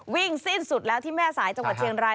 สิ้นสุดแล้วที่แม่สายจังหวัดเชียงราย